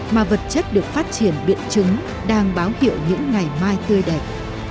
mà vật chất được phát triển biện chứng đang báo hiệu những ngày mai tươi đẹp